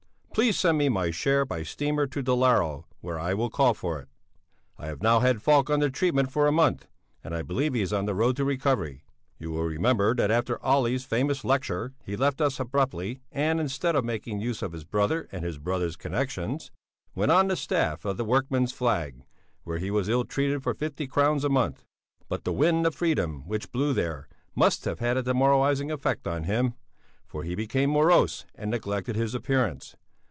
Please send me my share by steamer to Dalarö, where I will call for it. I have now had Falk under treatment for a month, and I believe he is on the road to recovery. You will remember that after Olle's famous lecture he left us abruptly and, instead of making use of his brother and his brother's connexions, went on the staff of the Workman's Flag, where he was ill treated for fifty crowns a month. But the wind of freedom which blew there must have had a demoralizing effect on him, for he became morose and neglected his appearance.